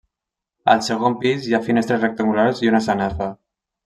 Al segon pis hi ha finestres rectangulars i una sanefa.